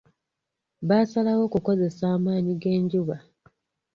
Baasalawo kukozesa amaanyi g'enjuba.